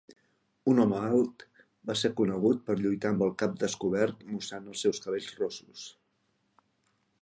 Un home alt, va ser conegut per lluitar amb el cap descobert, mostrant els seus cabells rossos.